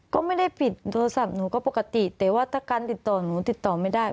ก็ไม่ได้ปิดโทรศัพท์หนูก็ปกติแต่ว่าถ้าการติดต่อหนูติดต่อไม่ได้